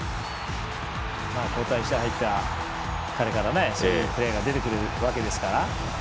交代して入った彼からそのプレーが出てくるわけですから。